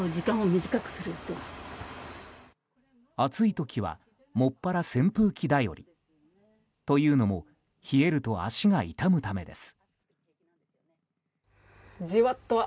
暑い時はもっぱら扇風機頼り。というのも、冷えると足が痛むためです。